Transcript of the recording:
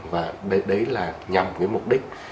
và đấy là nhằm với mục đích